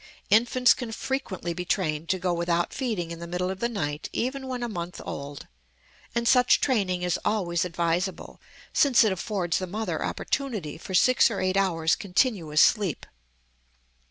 Infants can frequently be trained to go without feeding in the middle of the night even when a month old; and such training is always advisable, since it affords the mother opportunity for six or eight hours' continuous sleep.